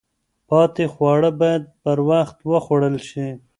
پاتې خواړه باید پر وخت وخوړل شي.